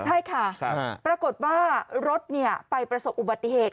ใช่ค่ะปรากฏว่ารถไปประสบอุบัติเหตุ